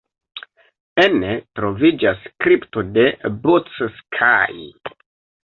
Ene troviĝas kripto de Bocskai.